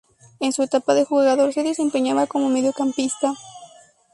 En su etapa de jugador se desempeñaba como mediocampista.